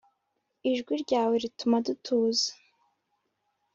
ijwi ryawe rituma dutuza